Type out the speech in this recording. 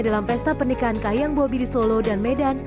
dalam pesta pernikahan kahiyang bobi di solo dan medan